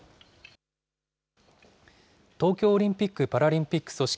東京オリンピック・パラリンピック組織